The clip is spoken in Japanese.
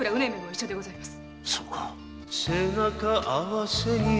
一緒でございます。